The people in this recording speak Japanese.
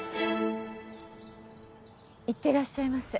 いってらっしゃいませ。